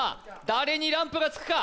誰にランプがつくか？